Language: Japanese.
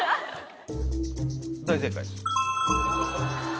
大正解。